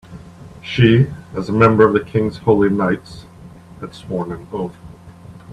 She, as a member of the king's holy knights, had sworn an oath.